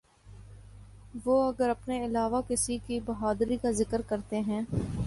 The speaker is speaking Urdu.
وہ اگر اپنے علاوہ کسی کی بہادری کا ذکر کرتے ہیں۔